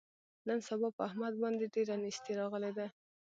نن سبا په احمد باندې ډېره نیستي راغلې ده.